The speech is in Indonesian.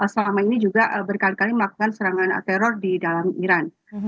selama ini juga berkali kali melakukan serangan teror di dalam iran